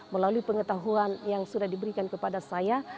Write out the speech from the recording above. melalui pengetahuan yang sudah diberikan kepada saya